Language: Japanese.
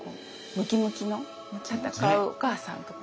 ムキムキの戦うお母さんとか。